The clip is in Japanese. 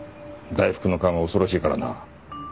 大福の勘は恐ろしいからな。